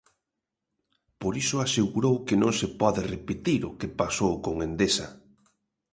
Por iso asegurou que non se pode repetir o que pasou con Endesa.